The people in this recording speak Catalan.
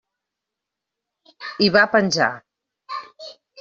I va penjar.